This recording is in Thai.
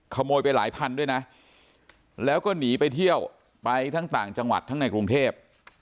ไปหลายพันด้วยนะแล้วก็หนีไปเที่ยวไปทั้งต่างจังหวัดทั้งในกรุงเทพ